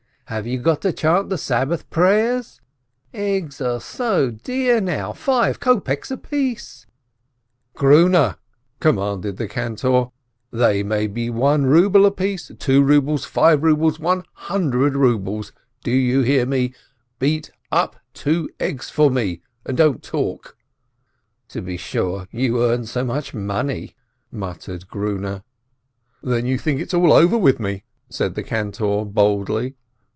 Have you got to chant the Sabbath prayers ? Eggs are so dear now — five kopeks apiece !" "Grune," commanded the cantor, "they may be one ruble apiece, two rubles, five rubles, one hundred rubles. Do you hear? Beat up two eggs for me, and don't talk!" "To be sure, you earn so much money!" muttered Grune. "Then you think it's all over with me?" said the cantor, boldly.